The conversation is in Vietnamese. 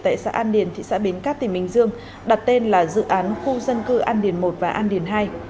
tại xã an điền thị xã bến cát tỉnh bình dương đặt tên là dự án khu dân cư an điền một và an điền hai